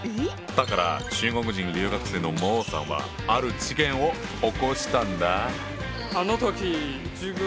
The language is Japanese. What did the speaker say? だから中国人留学生の孟さんはある事件を起こしたんだ。